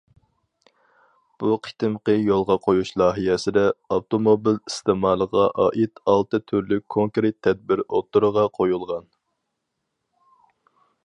بۇ قېتىمقى يولغا قويۇش لايىھەسىدە، ئاپتوموبىل ئىستېمالىغا ئائىت ئالتە تۈرلۈك كونكرېت تەدبىر ئوتتۇرىغا قويۇلغان.